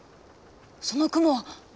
その雲は。